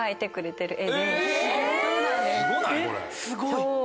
すごい！